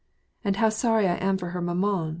" And how sorry I am for her maman !